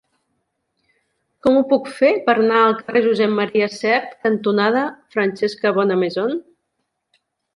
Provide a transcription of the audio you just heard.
Com ho puc fer per anar al carrer Josep M. Sert cantonada Francesca Bonnemaison?